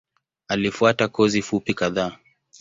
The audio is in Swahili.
Alifuata kozi fupi kadhaa.